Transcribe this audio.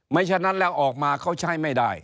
ฉะนั้นแล้วออกมาเขาใช้ไม่ได้